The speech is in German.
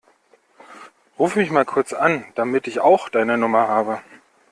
Ruf mich mal kurz an, damit ich auch deine Nummer habe.